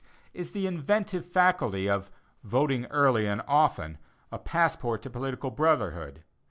Is the "inventive faculty" of "voting early and often," a passport to political brotherhood?